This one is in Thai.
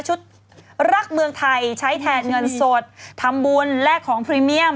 รักเมืองไทยใช้แทนเงินสดทำบุญแลกของพรีเมียม